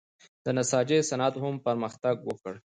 د نساجۍ صنعت هم پرمختګ وکړ.